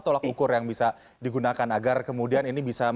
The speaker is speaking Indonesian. tolak ukur yang bisa digunakan agar kemudian ini bisa